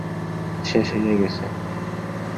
শেষ হইয়া গেছে।